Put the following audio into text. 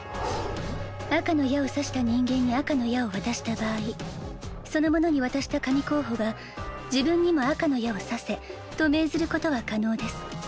赤の矢を刺した人間に赤の矢を渡した場合その者に渡した神候補が自分にも赤の矢を刺せと命ずることは可能です